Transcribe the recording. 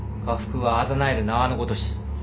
禍福はあざなえる縄のごとし。